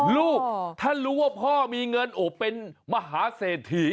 ลูกถ้ารู้ว่าพ่อมีเงินโอบเป็นมหาเศรษฐี